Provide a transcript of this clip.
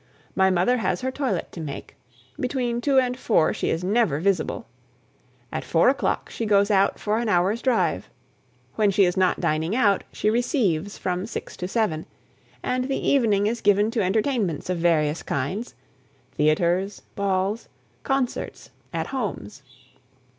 My mother has her toilet to make; between two and four she is never visible; at four o'clock she goes out for an hour's drive; when she is not dining out, she receives from six to seven, and the evening is given to entertainments of various kinds theatres, balls, concerts, at homes.